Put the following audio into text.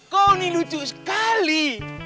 kau ini lucu sekali